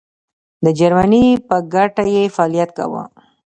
د جرمني په ګټه یې فعالیت کاوه.